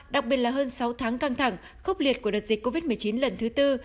đặc biệt là hơn sáu tháng căng thẳng khốc liệt của đợt dịch covid một mươi chín lần thứ tư